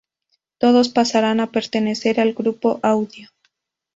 Todos pasarán a pertenecer al grupo audio.